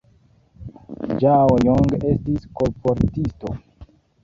Ĝao Jong estis kolportisto.